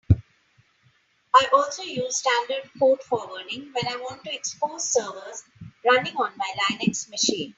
I also use standard port forwarding when I want to expose servers running on my Linux machine.